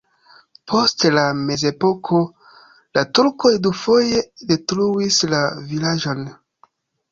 Post la mezepoko la turkoj dufoje detruis la vilaĝon.